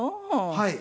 はい。